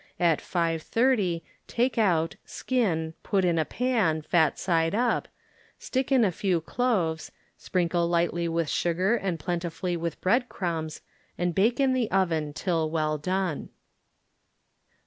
At S.30 take out, skin, put in a pan, fat side up, stick in a few cloves, sprinkle slightly with sugar and plentifylly with bread crumbs and bake in the oven till well done.